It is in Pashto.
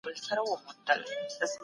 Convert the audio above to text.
تاريخ موږ ته پخواني درسونه راکوي.